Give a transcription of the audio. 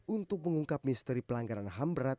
untuk mengungkap misteri pelanggaran ham berat